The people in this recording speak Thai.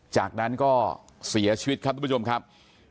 จากนั้นก็เสียชีวิตครับทุกผู้ชมครับ